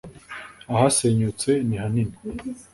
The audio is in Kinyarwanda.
Ahasenyutse nihanini.